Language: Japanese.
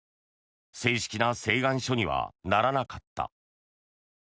正式な請願書にはならなかった。